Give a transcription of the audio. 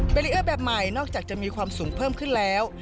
รีเออร์แบบใหม่นอกจากจะมีความสูงเพิ่มขึ้นแล้ว